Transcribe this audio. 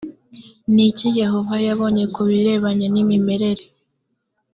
ni iki yehova yabonye ku birebana n imimerere